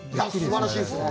すばらしいですね。